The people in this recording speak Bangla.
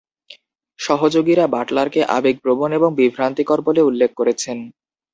সহযোগীরা বাটলারকে "আবেগপ্রবণ" এবং "বিভ্রান্তিকর" বলে উল্লেখ করেছেন।